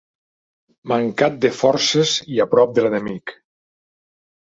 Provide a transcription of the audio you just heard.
Mancat de forces i a prop de l'enemic.